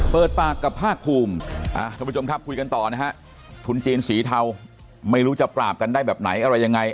เปิดปากกับภาคภูมิท่านผู้ชมครับคุยกันต่อนะฮะทุนจีนสีเทาไม่รู้จะปราบกันได้แบบไหนอะไรยังไง